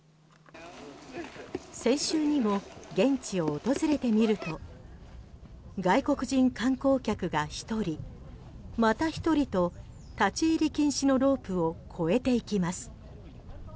先週にも現地を訪れてみると外国人観光客が１人また１人と立ち入り禁止のロープを越えていきます。